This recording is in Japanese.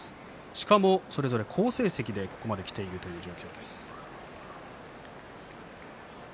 しかもそれぞれ好成績でここまできているという状況です。